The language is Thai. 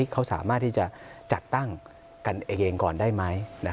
เขาสามารถที่จะจัดตั้งกันเองก่อนได้ไหม